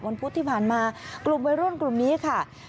พุธที่ผ่านมากลุ่มวัยรุ่นกลุ่มนี้ค่ะ